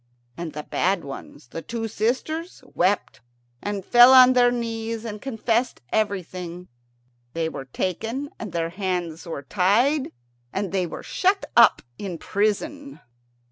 And the bad ones, the two sisters, wept, and fell on their knees, and confessed everything. They were taken, and their hands were tied, and they were shut up in prison.